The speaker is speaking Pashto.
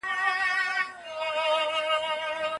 که انلاین مواد وي، زده کوونکي مختلف سبکونه تجربه کوي.